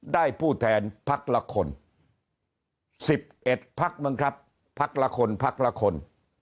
ผู้แทนพักละคน๑๑พักมั้งครับพักละคนพักละคน